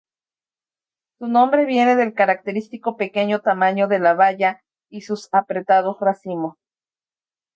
Su nombre viene del característico pequeño tamaño de la baya y sus apretados racimos.